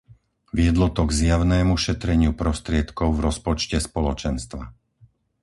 Viedlo to k zjavnému šetreniu prostriedkov v rozpočte Spoločenstva.